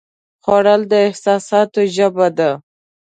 خوړل د احساساتو ژبه ده